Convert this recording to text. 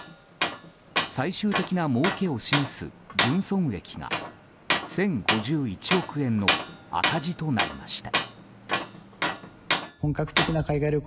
最終的なもうけを示す純損益が１０５１億円の赤字となりました。